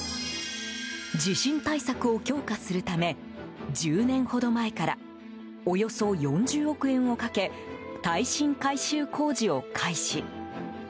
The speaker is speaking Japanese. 地震対策を強化するため１０年ほど前からおよそ４０億円をかけ耐震改修工事を開始。